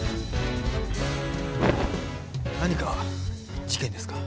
何か事件ですか？